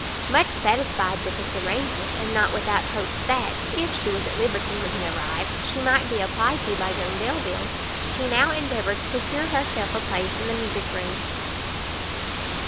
Much satisfied with this arrangement, and not without hopes that, if she was at liberty when he arrived, she might be applied to by young Delvile, she now endeavoured to procure herself a place in the music room.